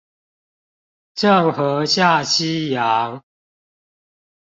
鄭和下西洋